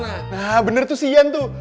nah bener tuh si ian tuh